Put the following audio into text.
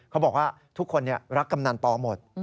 เขาบอกว่าทุกคนรักกำนันปอหมด